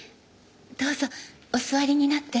どうぞお座りになって。